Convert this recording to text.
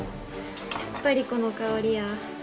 やっぱりこの香りや。